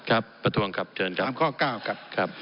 ครับประท้วงครับเชิญครับ๓ข้อ๙ครับ